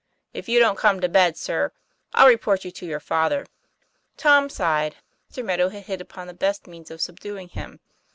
"If you don't come to bed, sir, I'll report you to your father. " Tom sighed. Mr. Meadow had hit upon the best means of subduing him.